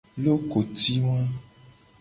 Lokoti wa.